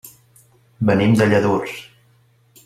Venim de Lladurs.